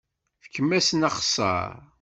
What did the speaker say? Fkem-asen axeṣṣar!